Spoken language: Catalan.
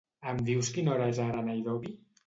Em dius quina hora és ara a Nairobi?